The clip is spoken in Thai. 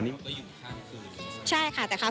มันก็จะมีข้าวโหม๒ถูกนะคะ